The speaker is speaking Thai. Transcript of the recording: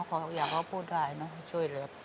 อยากให้เขาพูดได้ช่วยเลย